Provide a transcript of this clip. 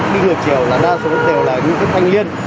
đi ngược chiều là đa số đều là những thân liên